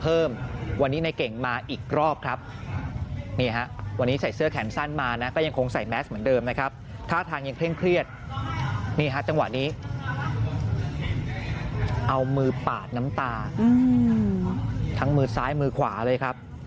ทั้งมือซ้ายมือขวาเลยครับ